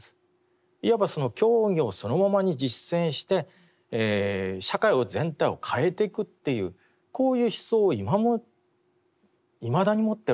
いわば教義をそのままに実践して社会全体を変えていくっていうこういう思想をいまだに持っているんですね。